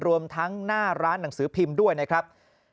รวมทั้งหน้าร้านหนังสือพิมพ์ด้วยนะครับ